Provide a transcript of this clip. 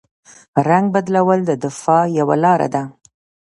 رنګ بدلول د دفاع یوه لاره ده